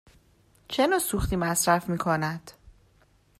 چه نوع سوختی مصرف می کند؟